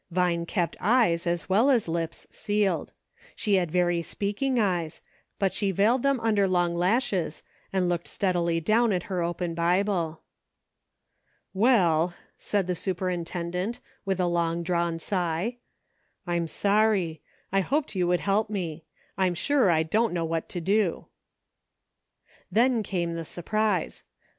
Vine kept eyes as well as lips sealed. She had very speaking eyes, but she veiled them under long lashes and looked steadily down at her open Bible. "Well," said the superintendent, with a long drawn sigh, " I'm sorry ; I hoped you would help me. I'm sure I don't know what to do." Then came the surprise.